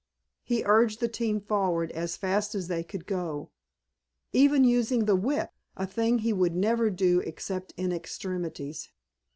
He urged the team forward as fast as they could go, even using the whip, a thing he would never do except in extremities.